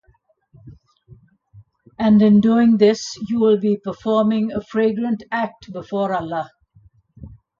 And in doing this you will be performing a fragrant act before Allah.